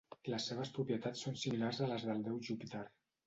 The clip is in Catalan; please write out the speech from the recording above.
Les seves propietats són similars a les del déu Júpiter.